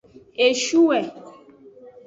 Eshuwe.